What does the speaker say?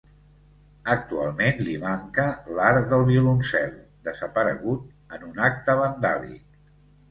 Actualment li manca l'arc del violoncel, desaparegut en un acte vandàlic.